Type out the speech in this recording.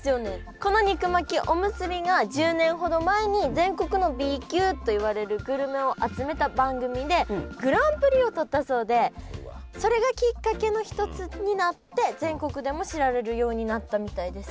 この肉巻きおむすびが１０年ほど前に全国のＢ級といわれるグルメを集めた番組でグランプリを取ったそうでそれがきっかけの一つになって全国でも知られるようになったみたいです。